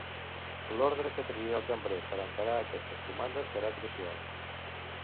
L'ordre que triï el cambrer per encarar aquestes comandes serà crucial.